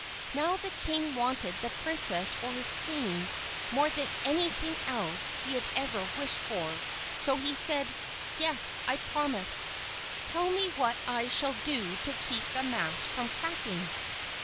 Now the king wanted the princess for his queen more than anything else he had ever wished for, so he said, "Yes, I promise. Tell me what I shall do to keep the mask from cracking."